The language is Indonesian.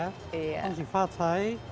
kong siva chai